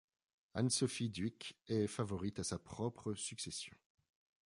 Ann-Sophie Duyck est favorite à sa propre succession.